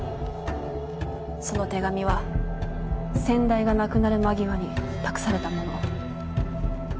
その手紙は先代が亡くなる間際に託されたもの。